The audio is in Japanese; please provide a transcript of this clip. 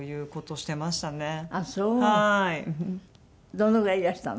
どのぐらいいらしたの？